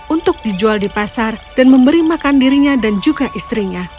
untuk dijual di pasar dan memberi makan dirinya dan juga istrinya